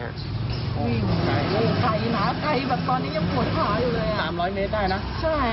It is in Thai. วิ่งไก่หนาไก่แบบตอนนี้ยังแบสพวดถาอยู่เลยอ่ะ